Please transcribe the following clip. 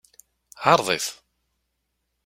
Ɛṛeḍ-it.